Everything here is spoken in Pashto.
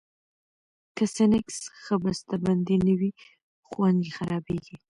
که سنکس ښه بستهبندي نه وي، خوند یې خرابېږي.